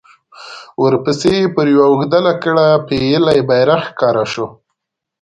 ورپسې پر يوه اوږده لکړه پېيلی بيرغ ښکاره شو.